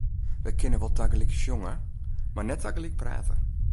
Wy kinne wol tagelyk sjonge, mar net tagelyk prate.